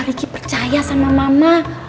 riki percaya sama mama